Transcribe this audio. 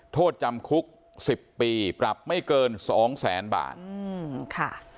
โทษจำคุก๑๐ปีปรับไม่เกินสองแสนบาทอืมค่ะ